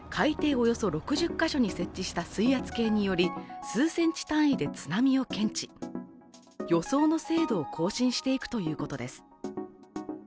およそ６０ヶ所に設置した水圧計により数ｃｍ単位で津波を検知、予想の精度を更新していくということです。